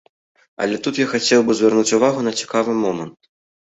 Але тут я хацеў бы звярнуць увагу на цікавы момант.